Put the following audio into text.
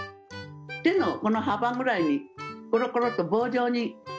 手のこの幅ぐらいにコロコロと棒状に。